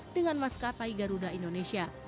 dengan maskapai garuda indonesia